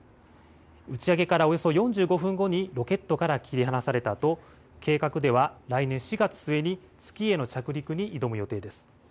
打ち上げからおよそ４５分後にロケットから切り離されたあと計画では来年４月末に月への着陸に挑む予定です。